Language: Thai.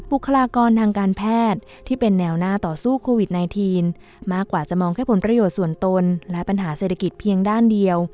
บุคลากรทางการแพทย์ที่เป็นแนวหน้าต่อสู้โควิด๑๙มากกว่าจะมองแค่ผลประโยชน์ส่วนตนและปัญหาเศรษฐกิจเพียงด้านเดียว